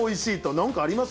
なんかあります？